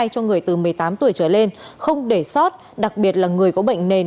cho người từ một mươi tám tuổi trở lên không để sót đặc biệt là người có bệnh nền